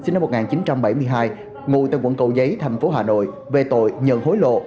năm một nghìn chín trăm bảy mươi hai ngồi tại quận cầu giấy tp hcm về tội nhận hối lộ